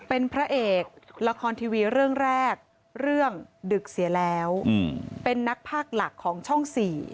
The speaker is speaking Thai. เป็นพระเอกละครทีวีเรื่องแรกเรื่องดึกเสียแล้วเป็นนักภาคหลักของช่อง๔